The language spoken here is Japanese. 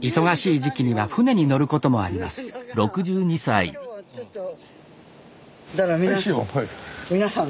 忙しい時期には船に乗ることもありますだから皆さん。